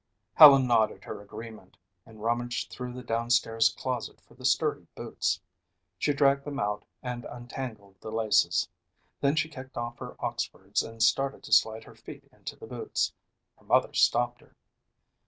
Helen nodded her agreement and rummaged through the down stairs closet for the sturdy boots. She dragged them out and untangled the laces. Then she kicked off her oxfords and started to slide her feet into the boots. Her mother stopped her.